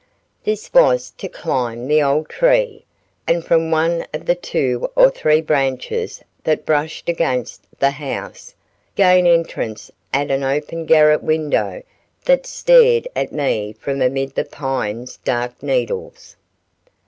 This was to climb the old tree, and from one of the two or three branches that brushed against the house, gain entrance at an open garret window that stared at me from amid the pine's dark needles.